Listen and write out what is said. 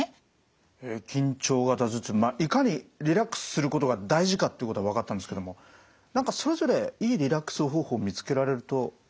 緊張型頭痛いかにリラックスすることが大事かっていうことは分かったんですけども何かそれぞれいいリラックス方法見つけられるといいですね。